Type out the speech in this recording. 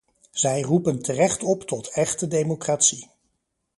Zij roepen terecht op tot echte democratie.